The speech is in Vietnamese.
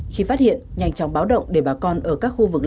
khi phát hiện nhanh chóng báo động để bà con ở các khu vực